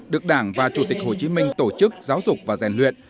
được đảng và chủ tịch hồ chí minh tổ chức giáo dục và rèn luyện